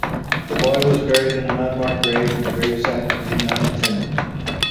The body was buried in an unmarked grave and the gravesite remained untended.